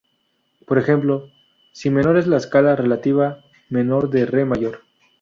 Por ejemplo: "si" menor es la escala relativa menor de "re" mayor.